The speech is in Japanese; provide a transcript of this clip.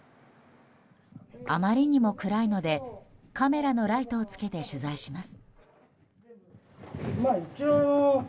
あまりにも暗いので、カメラのライトをつけて取材します。